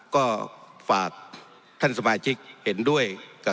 ก็ฝากท่านสมาชิกเห็นด้วย